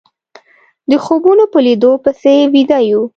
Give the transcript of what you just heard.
د خوبونو په ليدو پسې ويده يو